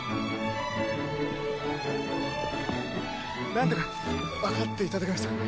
なんとかわかっていただけました。